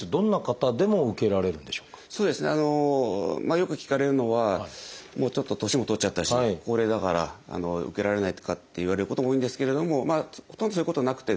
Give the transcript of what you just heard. よく聞かれるのはもうちょっと年も取っちゃったし高齢だから受けられないとかって言われることも多いんですけれどもまあほとんどそういうことなくてですね